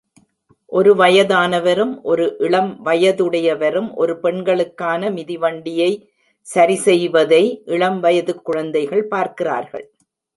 ஒரு வயதானவரும் ஒரு இளம் வயதுடையவரும் ஒரு பெண்களுக்கான மிதிவண்டியை சரிசெய்வதை இளம்வயது குழந்தைகள் பார்க்கிறார்கள்.